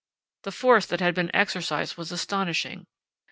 The force that had been exercised was astonishing.